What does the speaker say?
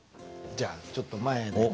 じゃあちょっと前へ出て。